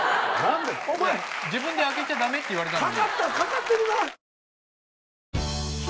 自分で開けちゃ駄目って言われたのに。